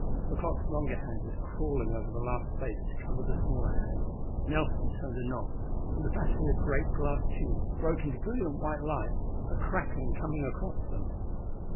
The clock's longer hand was crawling over the last space to cover the smaller hand. Nelson turned a knob and the battery of great glass tubes broke into brilliant white light, a crackling coming from them.